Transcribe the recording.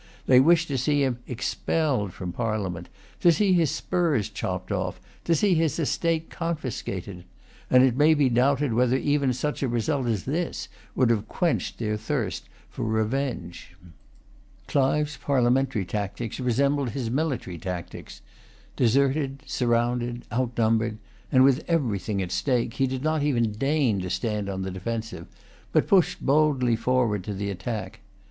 They wished to see him expelled from Parliament, to see his spurs chopped off, to see his estate confiscated; and it may be doubted whether even such a result as this would have quenched their thirst for revenge. Clive's parliamentary tactics resembled his military tactics. Deserted, surrounded, outnumbered, and with everything at stake, he did not even deign to stand on the defensive, but pushed boldly forward to the attack.